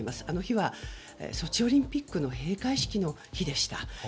あの日は、ソチオリンピックの閉会式の日でした。